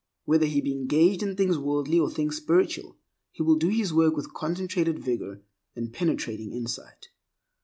Whether he be engaged in things worldly or things spiritual, he will do his work with concentrated vigor and penetrating insight.